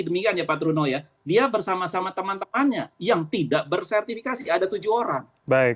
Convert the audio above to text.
demikian ya pak truno ya dia bersama sama teman temannya yang tidak bersertifikasi ada tujuh orang